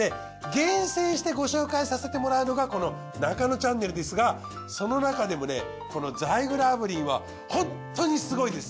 厳選してご紹介させてもらうのがこの『ナカノチャンネル』ですがその中でもねこのザイグル炙輪はホントにすごいです！